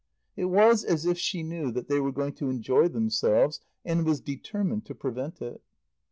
It was as if she knew that they were going to enjoy themselves and was determined to prevent it.